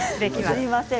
すみません。